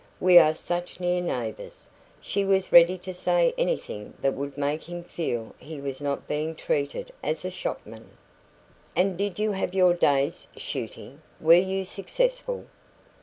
We are such near neighbours." She was ready to say anything that would make him feel he was not being treated as a shopman. "And did you have your day's shooting? Were you successful?"